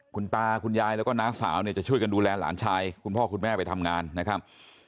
คุณตาคุณยายแล้วก็น้าสาวเนี่ยจะช่วยกันดูแลหลานชายคุณพ่อคุณแม่ไปทำงานนะครับ